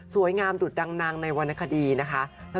สวยงามดุดังนางในวันอาคดีนะคะ